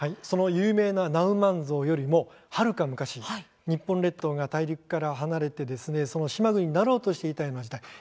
その有名なナウマンゾウよりもはるか昔日本が大陸から離れて島国になろうとしていたような時代